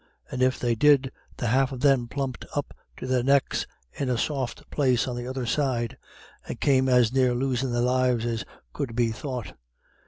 And if they did, the half of them plumped up to their necks in a soft place on the other side, and came as near losin' their lives as could be thought.